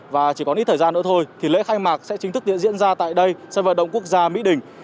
và chỉ còn ít thời gian nữa thôi thì lễ khai mạc sẽ chính thức diễn ra tại đây sân vận động quốc gia mỹ đình